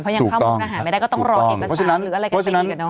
เพราะยังเข้ามุกหน้าหารไม่ได้ก็ต้องรออีกภาษาหรืออะไรกันไปดีกัน